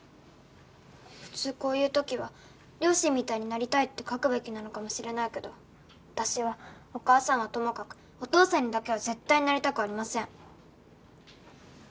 「普通こういう時は両親みたいになりたいって書くべきなのかもしれないけど私はお母さんはともかくお父さんにだけは絶対なりたくありません」